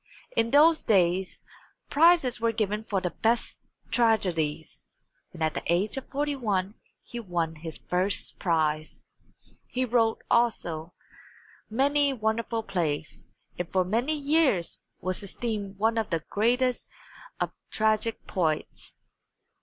In those days prizes were given for the best tragedies, and at the age of 41 he won his first prize. He wrote, also, many wonderful plays, and for many years was esteemed one of the greatest of tragic poets.